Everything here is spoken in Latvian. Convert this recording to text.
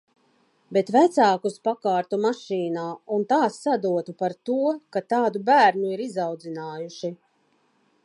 Bet vecākus pakārtu mašīnā un tā sadotu par to, ka tādu bērnu ir izaudzinājuši.